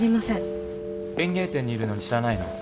園芸店にいるのに知らないの？